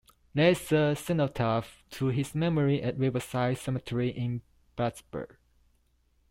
There is a cenotaph to his memory at Riverside Cemetery in Plattsburgh.